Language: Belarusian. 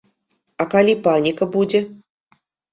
А калі паніка будзе?